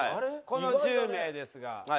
この１０名ですが。